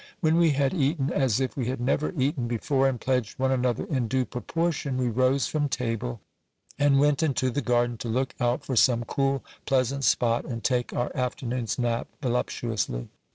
When we had eaten as if we had never eaten before, and pledged one another in due proportion, we rose from table and went into the garden to look > out for some cool, pleasant spot, and take our afternoon's nap voluptuously.